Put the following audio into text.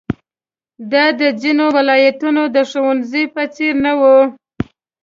دا د ځینو ولایتونو د ښوونځیو په څېر نه وه.